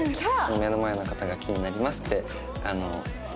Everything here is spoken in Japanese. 「目の前の方が気になります」って言った。